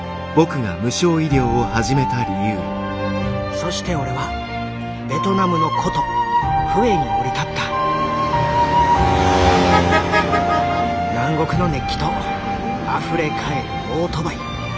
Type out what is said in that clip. そして俺はベトナムの古都フエに降り立った南国の熱気とあふれ返るオートバイ。